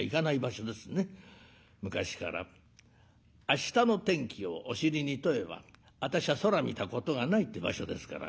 昔から明日の天気をお尻に問えば私は空見たことがないって場所ですから。